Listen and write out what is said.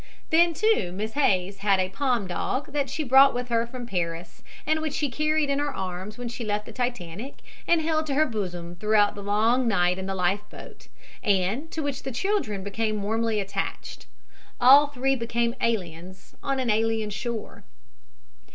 Then, too, Miss Hays had a Pom dog that she brought with her from Paris and which she carried in her arms when she left the Titanic and held to her bosom through the long night in the life boat, and to which the children became warmly attached. All three became aliens on an alien shore.